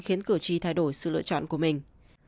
khiến cử tri thay đổi sự lựa chọn của mình